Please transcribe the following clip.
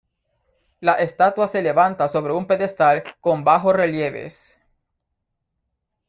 La estatua se levanta sobre un pedestal con bajorrelieves.